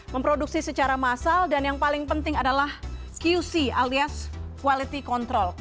memproduksi secara massal dan yang paling penting adalah qc alias quality control